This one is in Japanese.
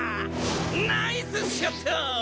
ナイスショット！